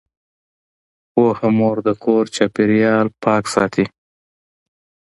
پوهه مور د کور چاپیریال پاک ساتي۔